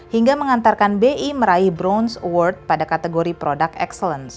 hingga mengantarkan bi meraih browns award pada kategori product excellence